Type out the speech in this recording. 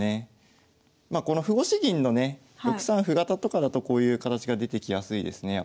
この歩越し銀のね６三歩型とかだとこういう形が出てきやすいですねやっぱり。